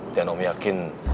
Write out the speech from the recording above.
dan om yakin